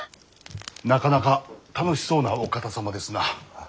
なかなか楽しそうなお方様ですな。